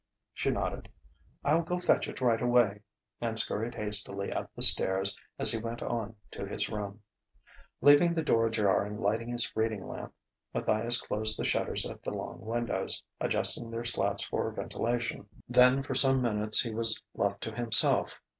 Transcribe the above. She nodded "I'll go fetch it right away" and scurried hastily up the stairs as he went on to his room. Leaving the door ajar and lighting his reading lamp, Matthias closed the shutters at the long windows, adjusting their slats for ventilation. Then for some minutes he was left to himself.